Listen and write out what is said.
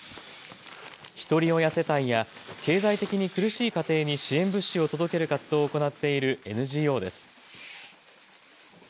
ひとり親世帯や経済的に苦しい家庭に支援物資を届ける活動を行っているＮＧＯです。